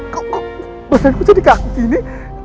kok badanku jadi kaget ini